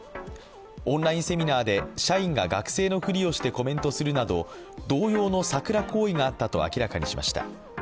オンラインセミナーで社員が学生のふりをしてコメントするなど同様のサクラ行為があったと明らかにしました。